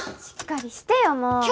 しっかりしてよもう。